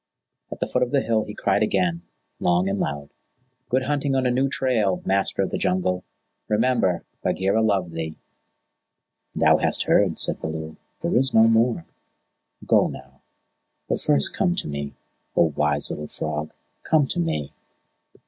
At the foot of the hill he cried again long and loud, "Good hunting on a new trail, Master of the Jungle! Remember, Bagheera loved thee." "Thou hast heard," said Baloo. "There is no more. Go now; but first come to me. O wise Little Frog, come to me!"